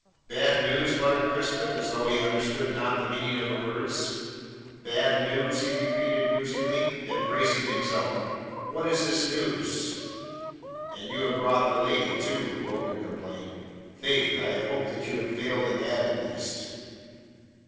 "Bad news?" muttered Crispin, as though he understood not the meaning of the words. "Bad news?" he repeated musingly. Then bracing himself, "What is this news?" "And you have brought the lady too!" Hogan complained. "Faith, I had hoped that you had failed in that at least."